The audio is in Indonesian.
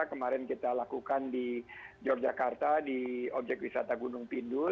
kemarin kita lakukan di yogyakarta di objek wisata gunung pindur